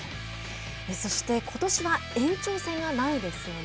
そして、ことしは延長戦がないですよね。